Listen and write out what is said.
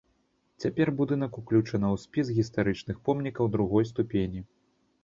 Цяпер будынак ўключана ў спіс гістарычных помнікаў другой ступені.